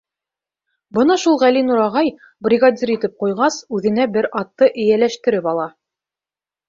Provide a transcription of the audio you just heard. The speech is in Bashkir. Бына шул Ғәлинур ағай, бригадир итеп ҡуйғас, үҙенә бер атты эйәләштереп ала.